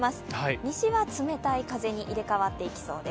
西は冷たい風に入れ代わっていきそうです。